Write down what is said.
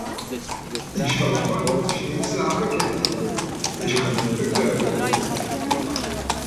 Isch ha halt e scheens Lawe ghet, isch kann net beklage.